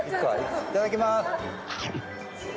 いただきます！